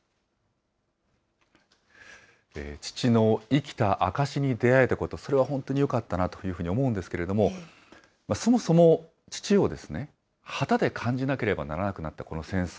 父の生きた証しに出会えたこと、それは本当によかったなというふうに思うんですけれども、そもそも父を旗で感じなければならなくなったこの戦争。